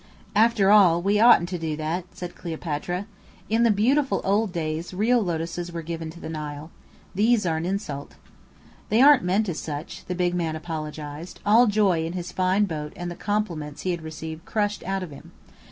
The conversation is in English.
"After all, we oughtn't to do that," said Cleopatra. "In the beautiful old days real lotuses were given to the Nile. These are an insult." "They aren't meant as such," the big man apologized, all joy in his fine boat and the compliments he had received crushed out of him.